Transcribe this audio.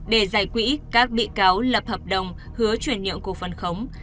để giải quỹ các bị cao lập hợp đồng hứa chuyển nhượng cổ phân khống